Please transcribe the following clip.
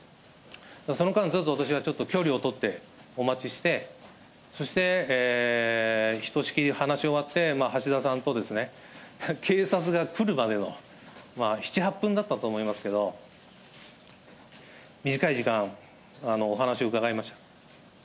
その間ずっと私はちょっと距離を取ってお待ちして、そして、ひとしきり話し終わって、橋田さんと警察が来るまでの７、８分だったと思いますけど、短い時間、お話を伺いました。